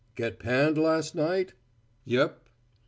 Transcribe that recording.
"Get panned last night!" "Yep."